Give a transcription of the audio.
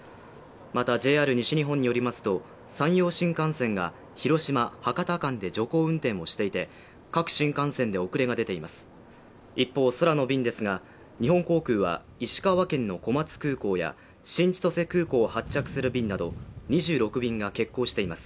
またＪＲ西日本によりますと山陽新幹線が広島博多間で徐行運転をしていて各新幹線で遅れが出ています一方、空の便ですが日本航空は石川県の小松空港や新千歳空港を発着する便など２６便が欠航しています